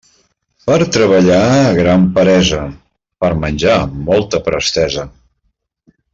Per treballar, gran peresa; per menjar, molta prestesa.